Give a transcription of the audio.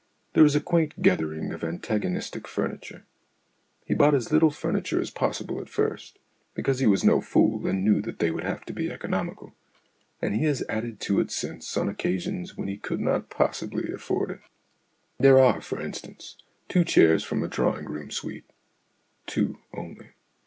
There is a quaint gathering of antagonistic furniture. He bought as little furniture as possible at first because he was no fool and knew that they would have to be economical and he has added to it since on occasions when he THE AUTOBIOGRAPHY OF AN IDEA 45 could not possibly afford it. There are, for instance, two chairs from a drawing room suite two only.